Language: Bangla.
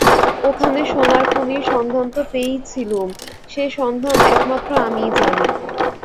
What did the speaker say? ওখানে সোনার খনির সন্ধান তো পেয়েইছিলুম, সে সন্ধান একমাত্র আমিই জানি।